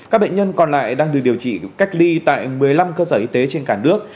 các bệnh nhân còn lại đang được điều trị cách ly tại một mươi năm cơ sở y tế trên cả nước